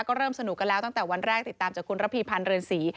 ก็เริ่มสนุกกันแล้วตั้งแต่วันแรกติดตามจากคุณระพีพันธ์เรือนศรี